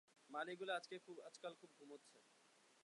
মালীগুলা আজকাল খুব ঘুমোচ্ছে।